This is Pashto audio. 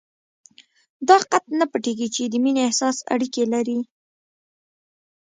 دا حقيقت نه پټېږي چې د مينې احساس اړيکې لري.